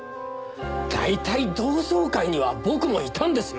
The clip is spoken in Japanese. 大体同窓会には僕もいたんですよ？